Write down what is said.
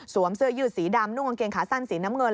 เสื้อยืดสีดำนุ่งกางเกงขาสั้นสีน้ำเงิน